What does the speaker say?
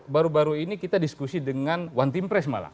baru baru ini kita diskusi dengan one team press malah